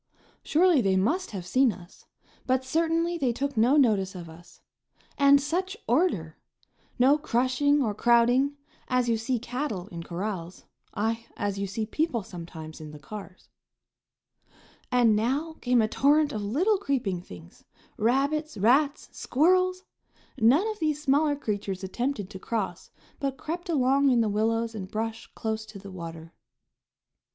Surely they must have seen us, but certainly they took no notice of us. And such order! No crushing or crowding, as you see cattle in corrals, aye, as you see people sometimes in the cars. And now came a torrent of little creeping things: rabbits, rats, squirrels! None of these smaller creatures attempted to cross, but crept along in the willows and brush close to the water.